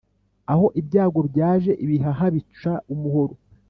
Aho ibyago byaje ibihaha bica umuhoro